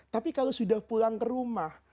tapi kalau sudah pulang ke rumah